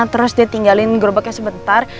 terus dia tinggalin gerobaknya sebentar